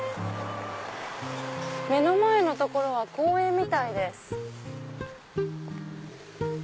目の前の所は公園みたいです。